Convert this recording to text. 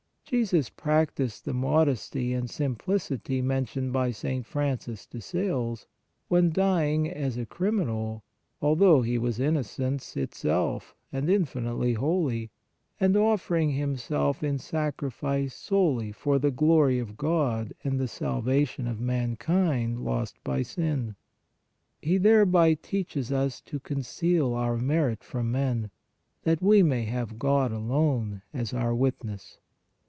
Jesus practised the modesty and simplicity men tioned by St. Francis de Sales, when dying as a criminal, although He was Innocence itself and infinitely holy, and offering Himself in sacrifice solely for the glory of God and the salvation of man kind lost by sin. He thereby teaches us to conceal our merit from men, that we may have God alone as our witness.